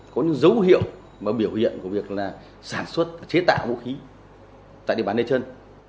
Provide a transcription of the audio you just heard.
có những dấu hiệu và biểu hiện của việc sản xuất chế tạo vũ khí tại địa bàn nơi chân